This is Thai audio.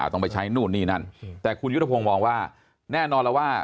ก็ต้องไปใช้นู้นนี่นั่นแต่คุณยุธพงศ์ว่าแน่นอนละว่า